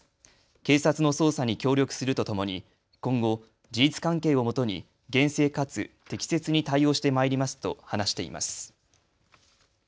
警察の捜査に協力するとともに今後、事実関係をもとに厳正かつ適切に対応してまいりますと話しています。